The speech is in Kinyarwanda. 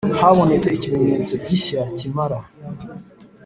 Habonetse ikimenyetso gishya kimara